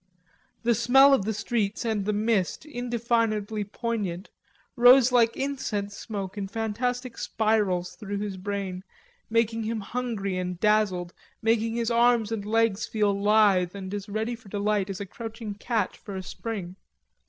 The smell of the streets, and the mist, indefinably poignant, rose like incense smoke in fantastic spirals through his brain, making him hungry and dazzled, making his arms and legs feel lithe and as ready for delight as a crouching cat for a spring.